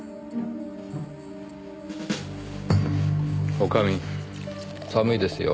女将寒いですよ。